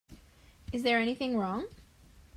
Is there anything wrong?